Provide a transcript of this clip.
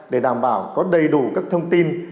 để đảm bảo có đầy đủ các thông tin